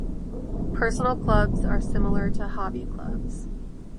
Personal Clubs are similar to Hobby Clubs.